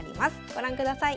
ご覧ください。